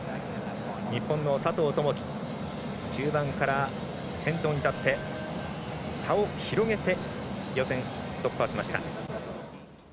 日本の佐藤友祈中盤から先頭に立って差を広げて、予選突破しました。